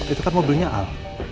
itu kan mobilnya al